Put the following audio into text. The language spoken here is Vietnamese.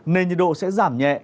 nên nhiệt độ sẽ giảm nhẹ